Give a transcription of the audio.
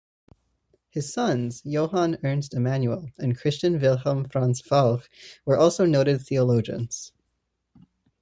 His sons, Johann Ernst Immanuel and Christian Wilhelm Franz Walch were also noted theologians.